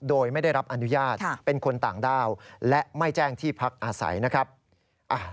โดยไม่ได้รับอนุญาตเป็นคนต่างด้าวและไม่แจ้งที่พักอาศัยนะครับ